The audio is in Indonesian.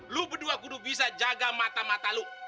lu berdua kudu bisa jaga mata mata lo